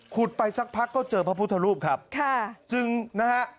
ไปสักพักก็เจอพระพุทธรูปครับค่ะจึงนะฮะ